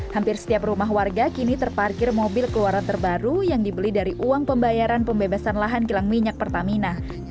hampir setiap rumah warga kini terparkir mobil keluaran terbaru yang dibeli dari uang pembayaran pembebasan lahan kilang minyak pertamina